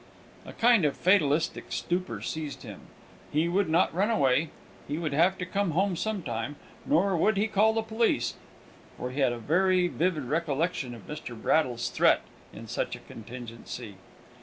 A kind of fatalistic stupor seized him. He would not run away he would have to come home some time nor would he call in the police, for he had a very vivid recollection of Mr. Braddle's threat in such a contingency.